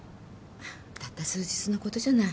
たった数日のことじゃない。